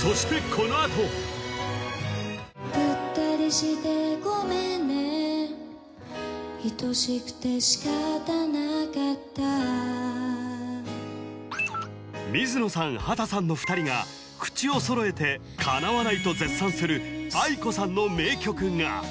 そしてこのあと水野さん秦さんの２人が口を揃えてと絶賛するａｉｋｏさんの名曲が！